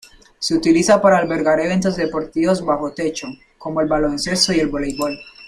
Se utiliza para albergar eventos deportivos bajo techo, como el baloncesto y el voleibol.